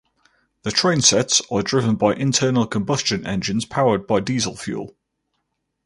The train sets are driven by internal combustion engines powered by diesel fuel.